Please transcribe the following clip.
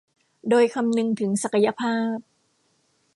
โดยคำนึงถึงศักยภาพ